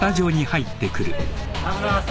おはようございます。